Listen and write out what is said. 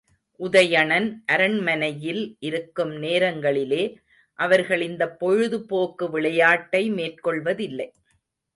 உதயணன் அரண்மனையில் இருக்கும் நேரங்களிலே அவர்கள் இந்தப் பொழுது போக்கு விளையாட்டை மேற்கொள்வதில்லை.